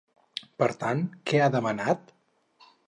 Per tant, què ha demanat?